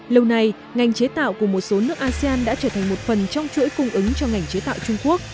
lâu nay ngành chế tạo của một số nước asean đã trở thành một phần trong chuỗi cung ứng cho ngành chế tạo trung quốc